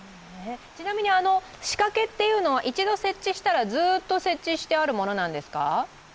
ちなみに、仕掛けというのは一度設置したら、ずっと設置してあるものなんですか？